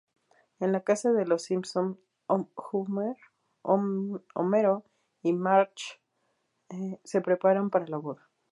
En la casa de los Simpson, Homer y Marge se preparan para la boda.